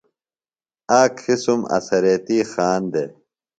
آک قِسم اڅھریتی خان دےۡ